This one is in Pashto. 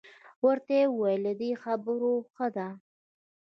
ورته یې وویل له دې خبرو ښه ده.